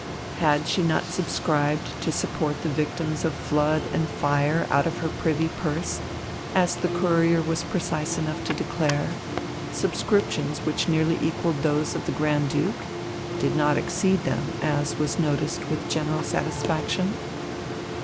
Had she not subscribed to support the victims of flood and fire out of her "privy purse," as the Courier was precise enough to declare, subscriptions which nearly equalled those of the Grand Duke (did not exceed them, as was noticed with general satisfaction)?